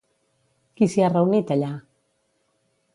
Qui s'hi ha reunit, allà?